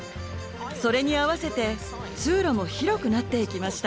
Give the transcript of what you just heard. それに合わせて通路も広くなっていきました。